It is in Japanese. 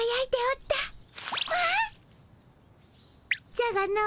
じゃがの。